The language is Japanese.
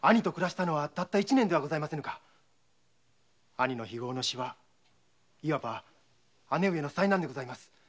兄の非業の死はいわば姉上の災難でございます。